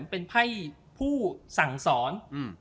เป็นไพ่ผู้สั่งสอน